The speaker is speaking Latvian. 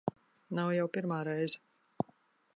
Nav jau pirmā reize.